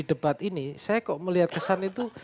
debat ini saya kok melihat kesan itu